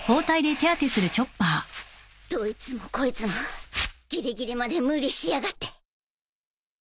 どいつもこいつもギリギリまで無理しやがって！